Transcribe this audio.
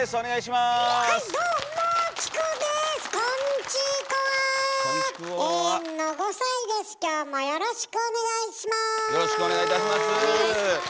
まずはよろしくお願いします。